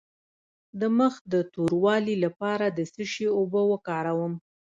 د مخ د توروالي لپاره د څه شي اوبه وکاروم؟